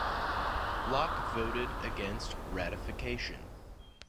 Locke voted against ratification.